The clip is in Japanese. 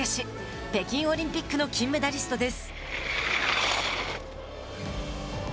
北京オリンピックの金メダリストです。